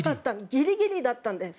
ギリギリだったんです。